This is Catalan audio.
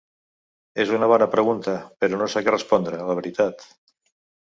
És una bona pregunta, però no sé què respondre, la veritat.